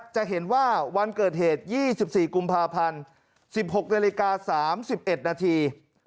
จะเห็นว่าวันเกิดเหตุยี่สิบสี่กุมภาพันธ์สิบหกนาฬิกาสามสิบเอ็ดนาที